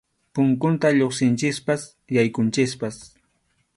Punkunta lluqsinchikpas yaykunchikpas.